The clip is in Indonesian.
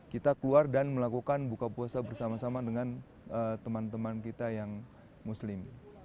kita keluar dan melakukan buka puasa bersama sama dengan teman teman kita yang muslim